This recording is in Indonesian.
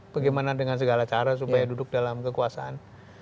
bagaimana dengan segala cara supaya duduk dalam kekuasaan